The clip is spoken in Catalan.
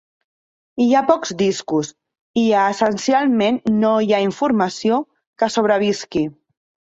Hi ha pocs discos, i essencialment no hi ha informació, que sobrevisqui.